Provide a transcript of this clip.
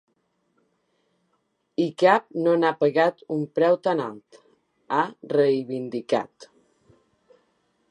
I cap no n’ha pagat un preu tan alt, ha reivindicat.